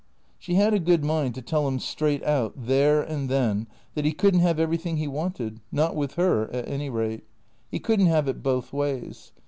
She had a good mind to tell him straight out, there and then, that he could n't have everything he wanted, not with her, at any rate. He could n't have it both ways.